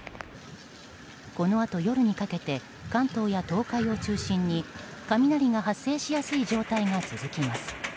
このあと夜にかけて関東や東海を中心に雷が発生しやすい状態が続きます。